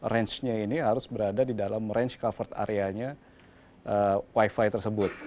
rangenya ini harus berada di dalam range covered area nya wifi tersebut